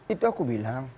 itu aku bilang